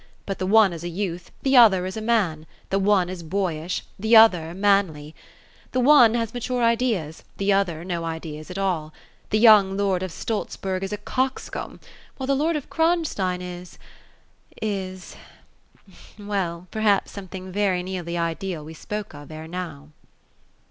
But the one is a youth, the other a man : the one is bovish. the other manly ; the one has ma THE ROSE OF ELSINORB. 237 ture ideas ; the other, no ideas at all. The young lord of Stolzbcrg is a coxcomb ; while the lord of Kronstein is — is — well, perhaps something very near the ideal we spoke of, ere now."